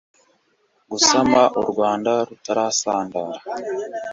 gusama u rwanda rutarasandara